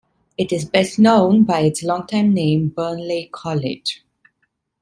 It is best known by its longtime name Burnley College.